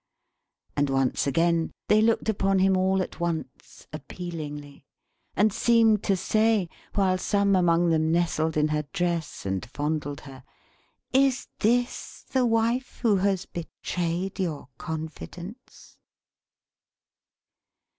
And once again they looked upon him all at once, appealingly; and seemed to say, while some among them nestled in her dress and fondled her, "Is this the Wife who has betrayed your confidence!"